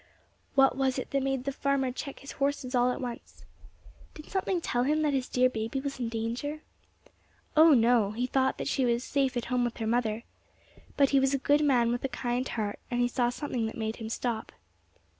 What was it that made the farmer check his horses all at once? Did something tell him that his dear baby was in danger? Oh, no! he thought that she was safe at home with her mother. But he was a good man with a kind heart, and he saw something that made him stop.